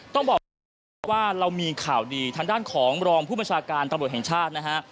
ต้องบอกว่าเรามีข่าวดีทางด้านของรองผู้ประชาการตรรวจแห่งชาตินะฮะ